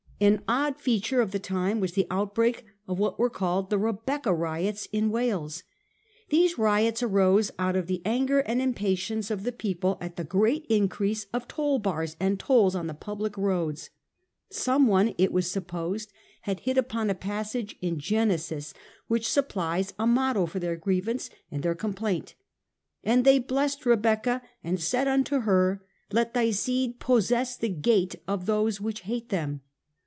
An odd feature of the time was the outbreak of what were called the Rebecca riots in Wales. These riots arose out of the anger and impatience of the people at the great increase of toll bars and tolls on the public roads. Some one, it was supposed, had hit upon a passage in Genesis which supplies a motto for their grievance and their complaint. ' And they blessed Rebekah and said unto her ... let thy seed possess the gate of those which hate them.